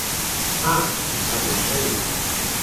À!, ac enteni.